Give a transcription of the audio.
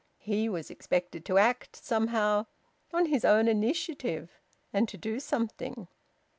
He was expected to act, somehow, on his own initiative, and to do something.